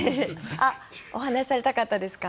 お話しされたかったですか？